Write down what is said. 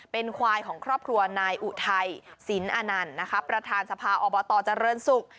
เป็นควายของครอบครัวนายอุทัยสินอนันต์นะคะประธานสภาอบตเจริญศุกร์